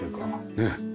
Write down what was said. ねえ。